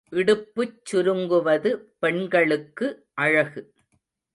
இடுப்புச் சுருங்குவது பெண்களுக்கு அழகு.